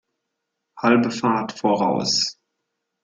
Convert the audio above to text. Halbe Fahrt voraus!